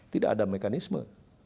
tidak ada mekanisme